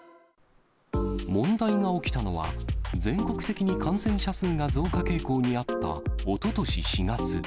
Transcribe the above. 問題が起きたのは、全国的に感染者数が増加傾向にあった、おととし４月。